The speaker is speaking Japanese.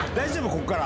こっから。